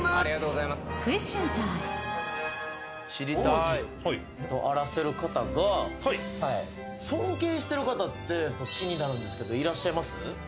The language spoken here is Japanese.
王子であらせられる方が尊敬してる方って気になるんですけどいらっしゃいます？